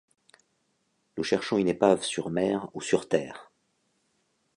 Nous cherchons une épave sur mer ou sur terre